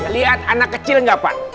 lihat anak kecil nggak pak